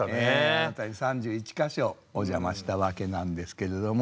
新たに３１か所お邪魔したわけなんですけれども。